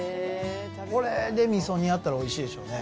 これでみそ煮やったらおいしいでしょうね。